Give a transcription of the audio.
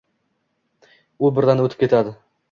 U birdan o‘tib ketadi.